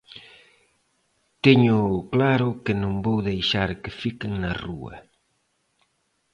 Teño claro que non vou deixar que fiquen na rúa.